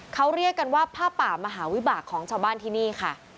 เขาเรียกกันว่าผ้าป่ามหาวิบากของชาวบ้านที่นี่ค่ะ